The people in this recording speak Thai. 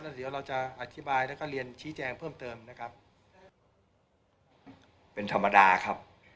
เดี๋ยวเราจะอธิบายแล้วก็เรียนชี้แจงเพิ่มเติมนะครับเป็นธรรมดาครับ